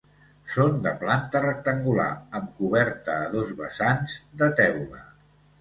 Són de planta rectangular amb coberta a dos vessants, de teula.